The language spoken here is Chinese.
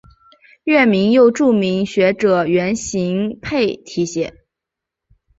院名又著名学者袁行霈题写。